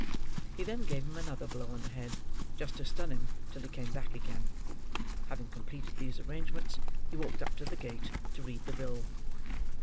He then gave him another blow on the head, just to stun him till he came back again. Having completed these arrangements, he walked up to the gate, to read the bill.